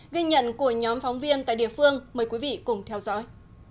ghi nhận của nhóm phóng viên tại địa phương mời quý vị cùng theo dõi